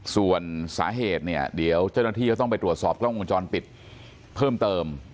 ส่วนสาเหตุเนี่ยเดี๋ยวเจ้าหน้าที่ก็ต้องไปตรวจสอบกล้องวงจรปิดเพิ่มเติม